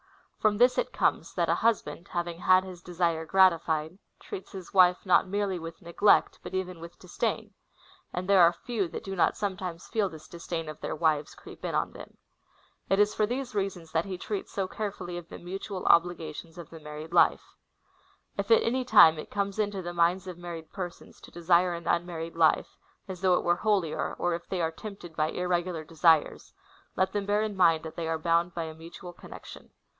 From this it comes, that a husband, having had his desire gratified, treats his Avife not merely Avith neglect, but even Avith dis dain ; and there are few that do not sometimes feel this disdain of their Avives creep in ujjon them. It is for these reasons that he treats so carefullv of the mutual obligations CHAP. VII. O. FIRST EPISTLE TO THE CORINTHIANS. 227 of the married life. " If at any time it comes into the minds of married persons to desire an unmarried life, as though it were holier, or if they are tempted by irregular desires,^ let them bear in mind that they are bound by a mutual con nection.'"